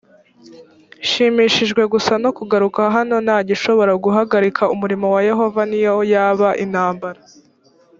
nshimishijwe gusa no kugaruka hano nta gishobora guhagarika umurimo wa yehova niyo yaba intambara